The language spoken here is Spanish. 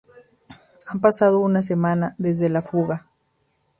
Ha pasado una semana desde la fuga.